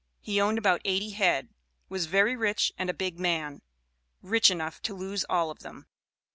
He owned about eighty head was very rich and a big man, rich enough to lose all of them.